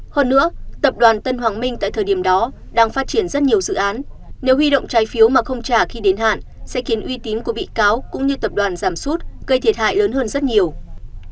hơn nữa tập đoàn tân hoàng minh tại thời điểm đó đang phát triển rất nhiều dự án nếu huy động trái phiếu mà không trả khi đến hạn sẽ khiến uy tín của bị cáo cũng như tập đoàn giảm sút gây thiệt hại lớn hơn rất nhiều